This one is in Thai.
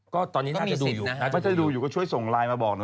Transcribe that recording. ก็ตอนนี้น่าจะดูอยู่นะถ้าดูอยู่ก็ช่วยส่งไลน์มาบอกหน่อย